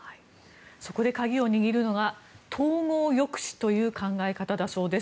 そこで鍵を握るのが統合抑止という考え方だそうです。